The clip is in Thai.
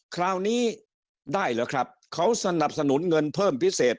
คราวนี้ได้เหรอครับเขาสนับสนุนเงินเพิ่มพิเศษ